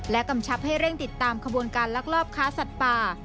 กำชับให้เร่งติดตามขบวนการลักลอบค้าสัตว์ป่า